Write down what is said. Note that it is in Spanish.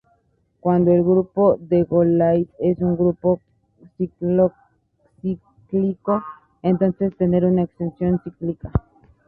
Cuando el grupo de Galois es un grupo cíclico, entonces tenemos una extensión cíclica.